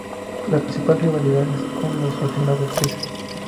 La principal rivalidad es con los aficionados del Pisa.